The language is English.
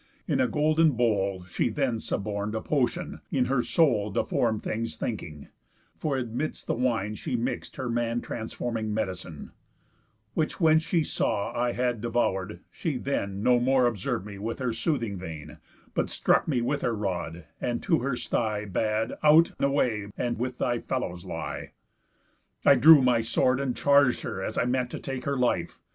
In a golden bowl She then suborn'd a potion, in her soul Deform'd things thinking; for amidst the wine She mix'd her man transforming medicine; Which when she saw I had devour'd, she then No more observ'd me with her soothing vein, But struck me with her rod, and to her stye Bad, out, away, and with thy fellows lie. I drew my sword, and charg'd her, as I meant To take her life.